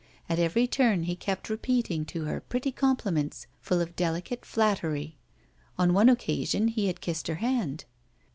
At every turn he kept repeating to her pretty compliments full of delicate flattery. On one occasion he had kissed her hand.